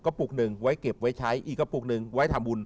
ปุกหนึ่งไว้เก็บไว้ใช้อีกกระปุกหนึ่งไว้ทำบุญ